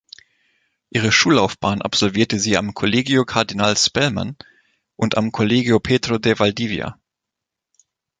Ihre Schullaufbahn absolvierte sie am "Colegio Cardinal Spellman" und am "Colegio Pedro de Valdivia".